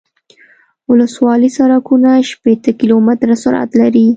ولسوالي سرکونه شپیته کیلومتره سرعت لري